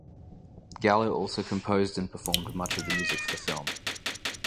Gallo also composed and performed much of the music for the film.